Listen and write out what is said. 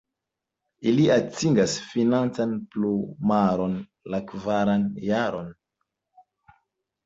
Ili atingas finan plumaron la kvaran jaron.